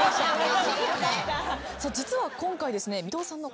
実は今回ですね。